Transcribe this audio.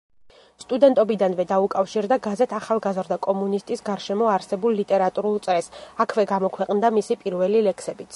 სტუდენტობიდანვე დაუკავშირდა გაზეთ „ახალგაზრდა კომუნისტის“ გარშემო არსებულ ლიტერატურულ წრეს, აქვე გამოქვეყნდა მისი პირველი ლექსებიც.